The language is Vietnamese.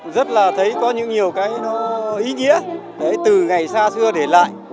rất là thấy có nhiều cái ý nghĩa từ ngày xa xưa để lại